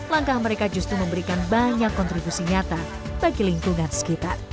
langkah mereka justru memberikan banyak kontribusi nyata bagi lingkungan sekitar